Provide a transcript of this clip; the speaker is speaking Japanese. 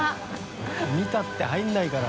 見たって入らないから。